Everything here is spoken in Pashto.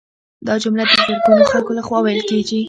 دا جمله د زرګونو خلکو لخوا ویل کیږي